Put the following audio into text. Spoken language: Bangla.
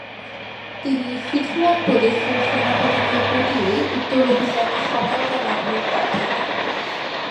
তিনি সিছুয়ান প্রদেশের সেনাপতিকে পটিয়ে উত্তর অভিযানে সহায়তা লাভে বার্থ হন।